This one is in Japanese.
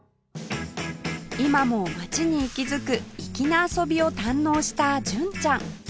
今も街に息づく粋な遊びを堪能した純ちゃん